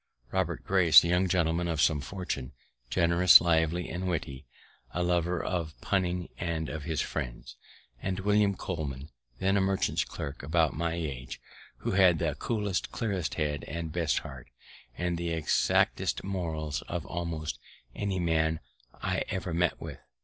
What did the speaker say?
Robert Grace, a young gentleman of some fortune, generous, lively, and witty; a lover of punning and of his friends. And William Coleman, then a merchant's clerk, about my age, who had the coolest, clearest head, the best heart, and the exactest morals of almost any man I ever met with.